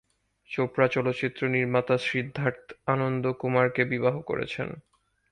চোপড়া চলচ্চিত্র নির্মাতা সিদ্ধার্থ আনন্দ কুমারকে বিবাহ করেছেন।